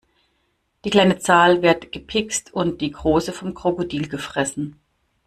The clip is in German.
Die kleine Zahl wird gepikst und die große vom Krokodil gefressen.